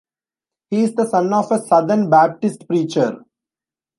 He is the son of a Southern Baptist preacher.